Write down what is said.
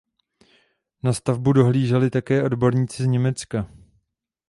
Na stavbu dohlíželi také odborníci z Německa.